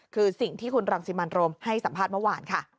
คือสิ่งที่คุณรังสิมันโรมให้สัมภาษณ์เมื่อวานค่ะ